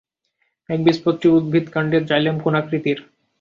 একবীজপত্রী উদ্ভিদ কাণ্ডের জাইলেম কোন আকৃতির?